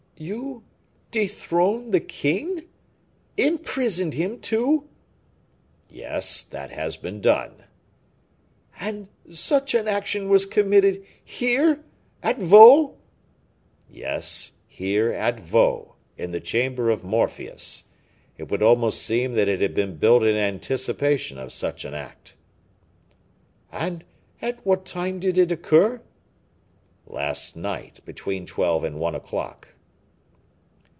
"You dethroned the king? imprisoned him, too?" "Yes, that has been done." "And such an action was committed here, at Vaux?" "Yes, here, at Vaux, in the Chamber of Morpheus. It would almost seem that it had been built in anticipation of such an act." "And at what time did it occur?" "Last night, between twelve and one o'clock."